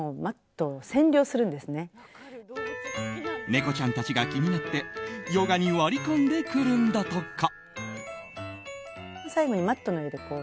猫ちゃんたちが気になってヨガに割り込んでくるんだとか。